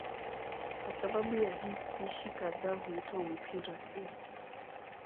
Kwa sababu ya hii spishi kadhaa huitwa mpira pia.